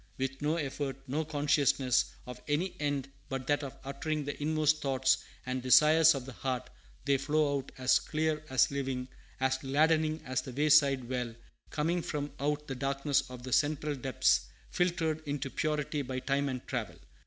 With no effort, no consciousness of any end but that of uttering the inmost thoughts and desires of the heart, they flow out as clear, as living, as gladdening as the wayside well, coming from out the darkness of the central depths, filtered into purity by time and travel.